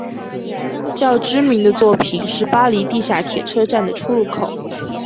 较知名的作品是巴黎地下铁车站的出入口。